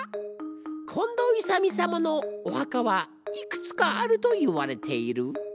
近藤勇様のお墓はいくつかあるといわれている。